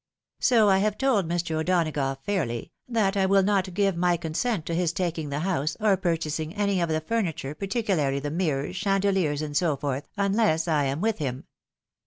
So I have told O'Donagough fairly, that I will not give my consent to his taking the house, or purchasing any of the furniture, , particularly the mirrors, chandehers, and so forth, unless I am with him.